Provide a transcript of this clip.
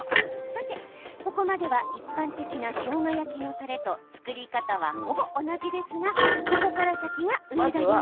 さて、ここまでは一般的なしょうが焼きのたれと作り方は、ほぼ同じですがここから先が上田流！